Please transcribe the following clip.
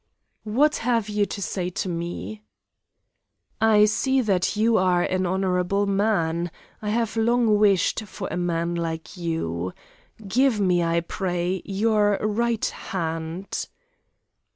"What have you to say to me?" "I see that you are an honourable man; I have long wished for a man like you. Give me, I pray, your right hand."